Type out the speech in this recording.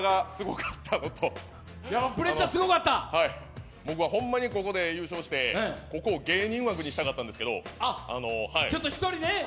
プレッシャーがすごかったのと、僕はホンマにここで優勝してここを芸人枠にしたかったんですけど。